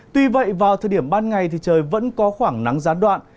tuy vậy vào thời điểm ban ngày thì trời vẫn có khoảng nắng gián đoạn